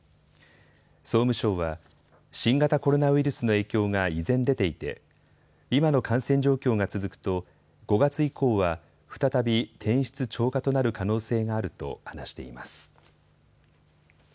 総務省は新型コロナウイルスの影響が依然出ていて今の感染状況が続くと５月以降は再び転出超過となる可能性があると話しています。